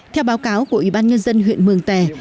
theo báo cáo của ủy ban nhân dân huyện mường tè